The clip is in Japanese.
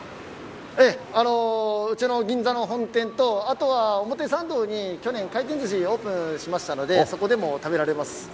うちの銀座の本店とあとは表参道に去年回転ずしをオープンしましたのでそこでも食べられます。